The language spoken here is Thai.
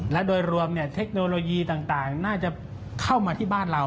และโดยรวมเทคโนโลยีต่างน่าจะเข้ามาที่บ้านเรา